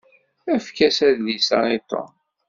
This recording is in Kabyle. Efk-as adlis-a i Tom.